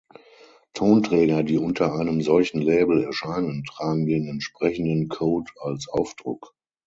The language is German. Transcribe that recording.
Tonträger, die unter einem solchen Label erscheinen, tragen den entsprechenden Code als Aufdruck.